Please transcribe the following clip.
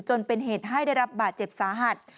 จนเป็นเหตุให้ได้รับบาดเจ็บสาหัส